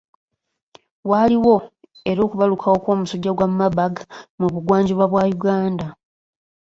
Waaliwo era okubalukawo kw'omusujja gwa marburg mu bugwanjuba bwa Uganda.